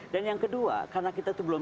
dan yang kedua karena kita itu belum